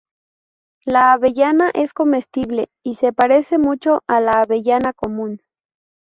La avellana es comestible, y se parece mucho a la avellana común.